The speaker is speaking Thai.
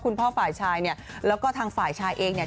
คุณพ่อฝ่ายชายเนี่ยแล้วก็ทางฝ่ายชายเองเนี่ย